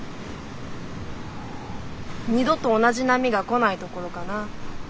二度と同じ波が来ないところかな。